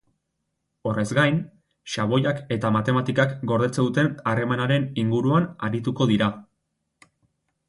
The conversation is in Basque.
Horrez gain, xaboiak eta matematikak gordetzen duten harremanaren inguruan arituko dira.